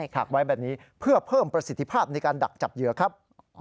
ถักไว้แบบนี้เพื่อเพิ่มประสิทธิภาพในการดักจับเหยื่อครับ